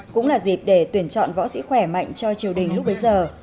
cũng là dịp để tuyển chọn võ sĩ khỏe mạnh cho triều đình lúc bấy giờ